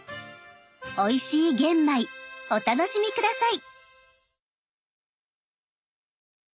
おいしい玄米お楽しみ下さい！